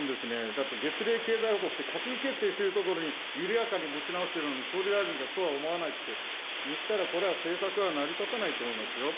だって月例経済報告って閣議決定してるところに、緩やかに持ち直しているのに、総理大臣がそうは思わないって言ったら、これは政策は成り立たないと思いますよ。